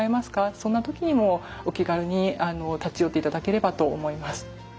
そんな時にもお気軽に立ち寄っていただければと思います。